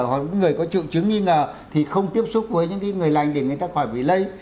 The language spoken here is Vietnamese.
hoặc những người có triệu chứng nghi ngờ thì không tiếp xúc với những người lành để người ta khỏi bị lây